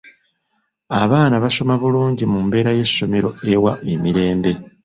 Abaana basoma bulungi mu mbeera y'essomero ewa emirembe.